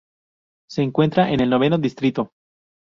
Se encuentra en el noveno distrito.